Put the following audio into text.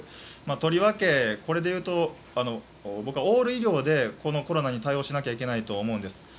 とりわけ、これで言うと僕はオール医療でこのコロナに対応しないといけないと思うんです。